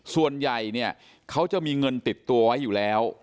ส่วนใหญ่เนี่ยเขาจะมีเงินติดตัวไว้อยู่แล้ว